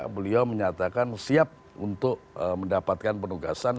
beliau menyatakan siap untuk mendapatkan penugasan